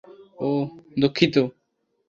ওহ্, দুঃখিত।